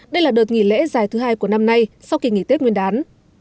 đây là đợt nghỉ lễ dài thứ hai của năm nay sau khi nghỉ tiết nguyên đán